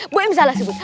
boim salah si bule